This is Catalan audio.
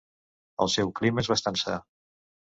El seu clima és bastant sa.